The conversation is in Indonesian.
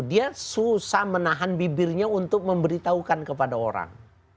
dia susah menahan bibirnya untuk memberitahukan kepada orang